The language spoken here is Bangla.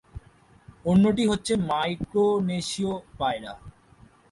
অন্যটি হচ্ছে মাইক্রোনেশিয় পায়রা।